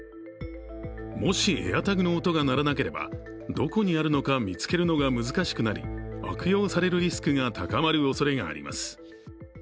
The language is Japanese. もしＡｉｒＴａｇの音が鳴らなければどこにあるのか見つけるのが難しくなり悪用されるリスクが高まるおそれがあります。